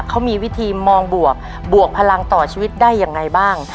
เขามีวิธีมองบวกบวกพลังต่อชีวิตได้ยังไงบ้าง